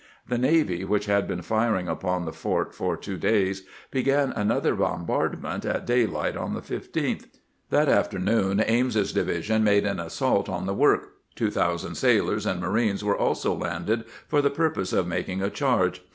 The navy, which had been firing 370 CAMPAIGNING WITH GRANT upon the fort for two days, began another bombardment at daylight on the 15th. That afternoon Ames's division made an assault on the work. Two thousand sailors and marines were also landed for the purpose of mak ing a charge.